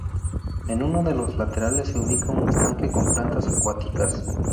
En uno de los laterales se ubica un estanque con plantas acuáticas.